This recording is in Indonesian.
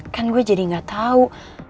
kan gue jadi gak tahu